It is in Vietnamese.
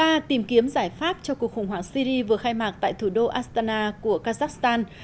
đàm phán thứ ba tìm kiếm giải pháp cho cuộc khủng hoảng syri vừa khai mạc tại thủ đô astana của kazakhstan